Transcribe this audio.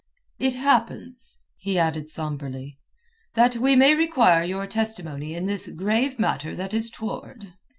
"It happens," he added sombrely, "that we may require your testimony in this grave matter that is toward."